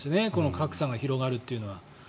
格差が広がるというのは。